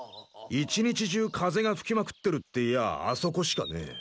１日中風が吹きまくってるっていやああそこしかねえ。